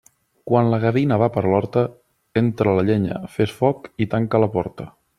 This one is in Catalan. Quan la gavina va per l'horta, entra la llenya, fes foc i tanca la porta.